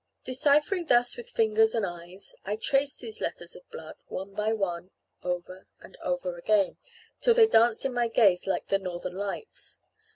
Deciphering thus with fingers and eyes, I traced these letters of blood, one by one, over and over again, till they danced in my gaze like the northern lights.